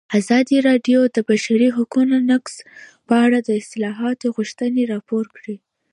ازادي راډیو د د بشري حقونو نقض په اړه د اصلاحاتو غوښتنې راپور کړې.